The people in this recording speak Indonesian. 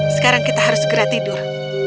sekarang kita harus segera tidur